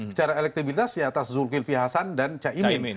secara elektibilitas ya atas zulkilfi hasan dan caimin